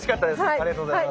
ありがとうございます。